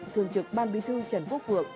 thường chức ban bí thư trần quốc vượng